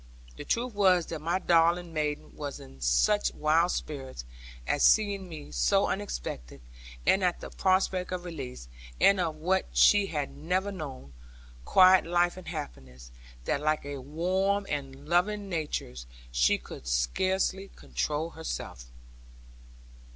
The truth was that my darling maiden was in such wild spirits, at seeing me so unexpected, and at the prospect of release, and of what she had never known, quiet life and happiness, that like all warm and loving natures, she could scarce control herself.